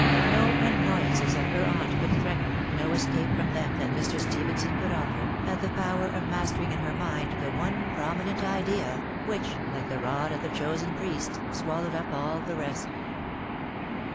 No annoyances that her aunt could threaten, no escape from them that Mr. Stephenson could offer, had the power of mas tering in her mind the one prominent idea, which, like the rod of the chosen priest, swallowed up all the rest.